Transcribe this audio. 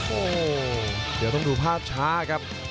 โอ้โหเดี๋ยวต้องดูภาพช้าครับ